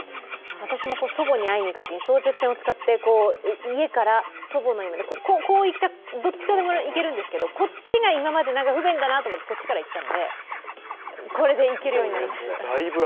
私も祖母に会いに行くときに相鉄線を使って祖母の家までどっちからでも行けるんですけどこっちが不便だなと思ってこっちから行ってたのでこれで行けるようになりました。